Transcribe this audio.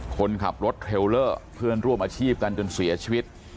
คนขับรถเทรลเลอร์เพื่อนร่วมอาชีพกันจนเสียชีวิต